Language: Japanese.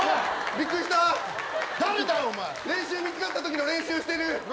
びっくりした練習見つかったときの練習してる！